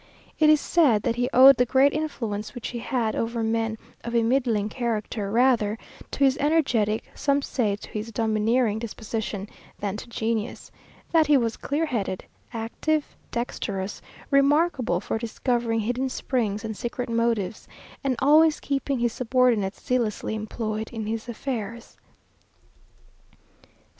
It is said that he owed the great influence which he had over men of a middling character, rather to his energetic, some say to his domineering disposition, than to genius; that he was clear headed, active, dexterous, remarkable for discovering hidden springs and secret motives, and always keeping his subordinates zealously employed in his affairs.